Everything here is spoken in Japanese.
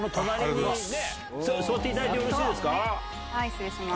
失礼します。